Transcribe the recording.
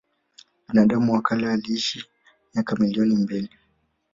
Binadamu wa kale aliishi miaka milioni mbili